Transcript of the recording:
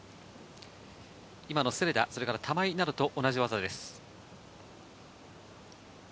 今のセレダ、玉井などと同じ技です。